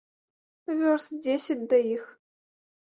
Вёрст дзесяць да іх.